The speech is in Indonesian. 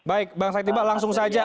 baik bang syed iqbal langsung saja